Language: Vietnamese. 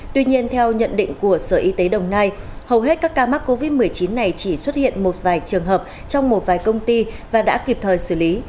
tuy nhiên theo nhận định của sở y tế đồng nai hầu hết các ca mắc covid một mươi chín này chỉ xuất hiện một vài trường hợp trong một vài công ty và đã kịp thời xử lý